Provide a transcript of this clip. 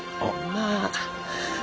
まあ。